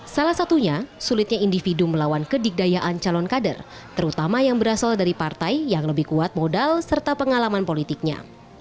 salah satunya sulitnya individu melawan kedikdayaan calon kader terutama yang berasal dari partai yang lebih kuat modal serta pengalaman politiknya